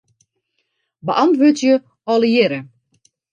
Beäntwurdzje allegearre.